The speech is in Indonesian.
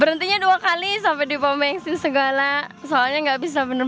berhentinya dua kali sampai dipomengsin segala soalnya gak bisa bener bener parah